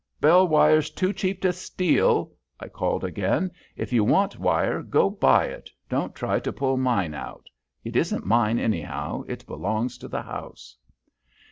"Bell wire's too cheap to steal!" I called again. "If you want wire, go buy it; don't try to pull mine out. It isn't mine, anyhow. It belongs to the house."